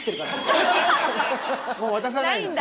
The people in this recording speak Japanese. もう渡さないの？